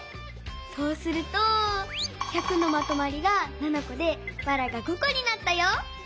そうすると「１００」のまとまりが７こでばらが５こになったよ！